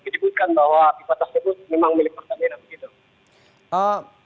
menyebutkan bahwa pipa tersebut memang milik pertamina begitu